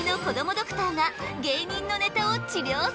ドクターが芸人のネタを治りょうする！